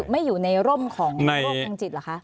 ไม่อยู่ในร่มของโรคทางจิตเหรอคะ